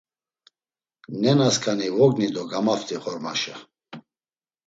Nenasǩani vogni do gamaft̆i ğormaşa.